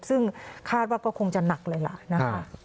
ซึ่งคาดว่าก็คงจะหนักเลยล่ะนะคะ